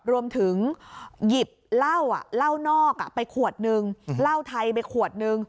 รวมถึงหยิบเหล้าเหล้านอกไปขวดนึงเหล้าไทยไปขวดนึง